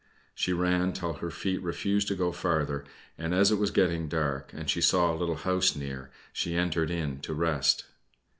She ran till her feet refused to go farther, and as it was getting dark, and she saw a little house near, she entered in to rest.